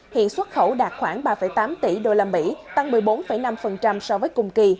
hiện xuất khẩu đạt khoảng ba tám tỷ đô la mỹ tăng một mươi bốn năm so với cùng kỳ